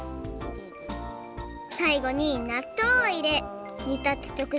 さいごになっとうをいれにたつちょく